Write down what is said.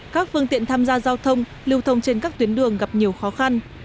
các phương tiện tham gia giao thông lưu thông trên các tuyến đường gặp nhiều khó khăn